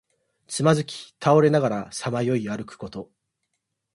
つまずき倒れながらさまよい歩くこと。